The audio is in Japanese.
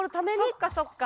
そっかそっか。